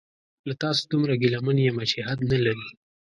له تاسو دومره ګیله من یمه چې حد نلري